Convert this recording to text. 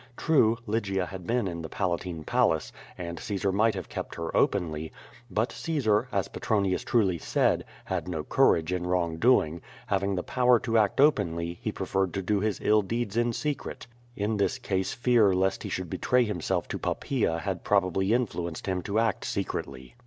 True, Lygia had been in the Palatine Palace, and Caesar might hare kept her QUO TAD18. 91 openly; but Caesar, as Petronius truly said, had no courage in wrong doing; having the power to act oi)enly, he preferred to do his ill deeds in secret. In this case fear lest he should betray himself to Poppaea had probably influenced him to act secretly.